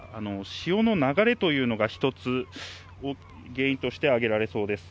潮の流れというのが一つ、原因として挙げられそうです。